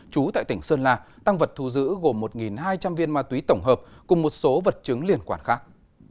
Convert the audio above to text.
trú tại tỉnh sơn la tăng vật thu giữ gồm một hai trăm linh viên ma túy tổng hợp cùng một số vật chứng liên quan khác